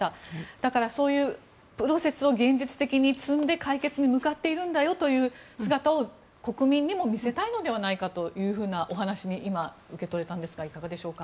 だからそういうプロセスを現実的に積んで解決に向かっているんだよという姿を国民にも見せたいんじゃないかというお話にも受け取れましたがいかがでしょうか。